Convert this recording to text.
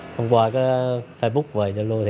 thông qua facebook